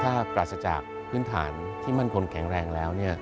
ถ้าปราศจากพื้นฐานที่มั่นคงแข็งแรงแล้ว